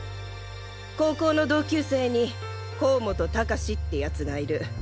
高校の同級生に甲本高士って奴がいる。